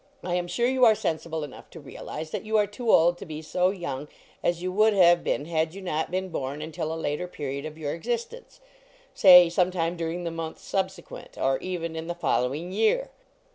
I am sure you are sensible enough to realize that you are too old to be so young as you would have been had you not been born until a later period of your existence say sometime during the month subsequent, or even in the following year.